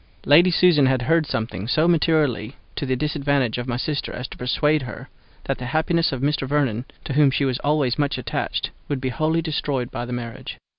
Lady Susan had heard something so materially to the disadvantage of my sister as to persuade her that the happiness of Mr. Vernon, to whom she was always much attached, would be wholly destroyed by the marriage.